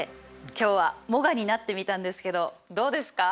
今日はモガになってみたんですけどどうですか？